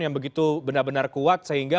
yang begitu benar benar kuat sehingga